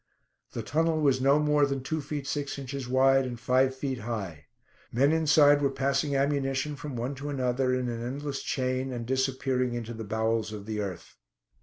The tunnel was no more than two feet six inches wide and five feet high. Men inside were passing ammunition from one to the other in an endless chain and disappearing into the bowels of the earth.